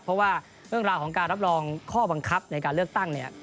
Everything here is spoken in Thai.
เพราะว่าเรื่องราวของการรับรองข้อบังคับในการเลือกตั้งเนี่ย